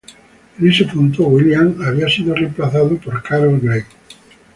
En este punto, Williams había sido reemplazado por Carol Grey.